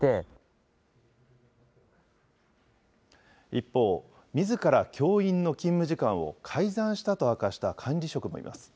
一方、みずから教員の勤務時間を改ざんしたと明かした管理職もいます。